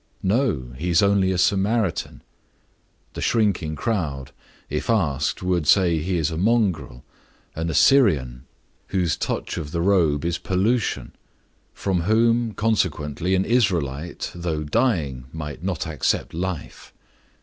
No, he is only a Samaritan. The shrinking crowd, if asked, would say he is a mongrel—an Assyrian—whose touch of the robe is pollution; from whom, consequently, an Israelite, though dying, might not accept life.